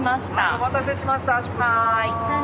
お待たせしました出発。